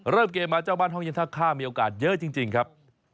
เริ่มเกมมาเจ้าบ้านห้องเย็นท่าข้ามมีโอกาสเยอะจริงครับ